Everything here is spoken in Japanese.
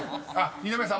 ［二宮さん